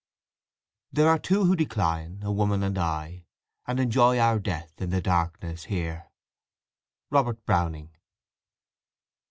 "There are two who decline, a woman and I, And enjoy our death in the darkness here." —R. BROWNING.